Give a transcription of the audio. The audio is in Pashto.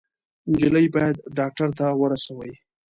_نجلۍ بايد ډاکټر ته ورسوئ!